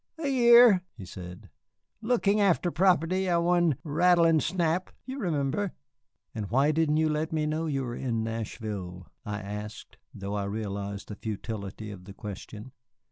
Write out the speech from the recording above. "A year," he said, "lookin' after property I won rattle an' shnap you remember?" "And why didn't you let me know you were in Nashville?" I asked, though I realized the futility of the question.